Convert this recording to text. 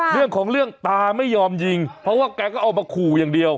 เรื่องของเรื่องตาไม่ยอมยิงเพราะว่าแกก็เอามาขู่อย่างเดียว